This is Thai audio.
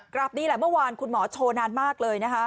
นี่แหละเมื่อวานคุณหมอโชว์นานมากเลยนะคะ